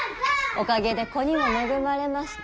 おかげで子にも恵まれまして。